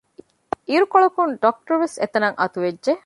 އިރުކޮޅަކުން ޑޮކްޓަރުވެސް އެތަނަށް އަތުވެއްޖެ